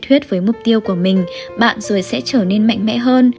thuyết với mục tiêu của mình bạn rồi sẽ trở nên mạnh mẽ hơn